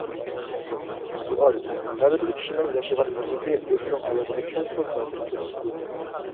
سوئال: ھەربىر كىشىنىڭ ياشىغان مۇھىتى ئۆزىنىڭ ھاياتىغا چوڭقۇر تەسىر كۆرسىتىدۇ.